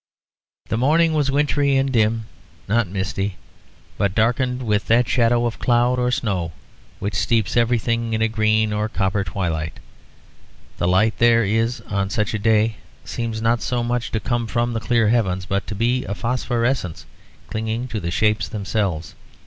The morning was wintry and dim, not misty, but darkened with that shadow of cloud or snow which steeps everything in a green or copper twilight. The light there is on such a day seems not so much to come from the clear heavens as to be a phosphorescence clinging to the shapes themselves.